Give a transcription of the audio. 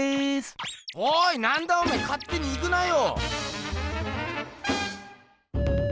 おいなんだおめえかってに行くなよ。